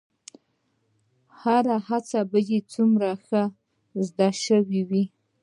هرڅه به يې څومره ښه زده سوي وو.